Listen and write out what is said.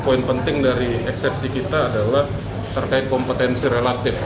poin penting dari eksepsi kita adalah terkait kompetensi relatif